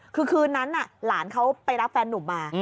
คือคืนนั้นหลานเขาไปรับแฟนนุ่มมา